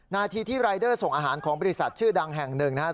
นาทีที่รายเดอร์ส่งอาหารของบริษัทชื่อดังแห่งหนึ่งนะครับ